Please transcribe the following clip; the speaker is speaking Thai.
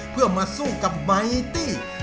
เพื่อมาสู้กับไมตี้